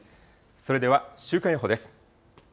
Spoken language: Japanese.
それでは、週間予報です。